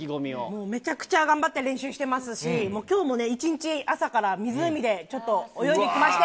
もうめちゃくちゃ頑張って練習してますし、もうきょうもね、１日朝から湖でちょっと泳いできまして。